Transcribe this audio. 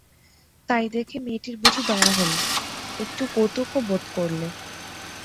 তাই দেখে মেয়েটির বুঝি দয়া হল, একটু কৌতুকও বোধ করলে।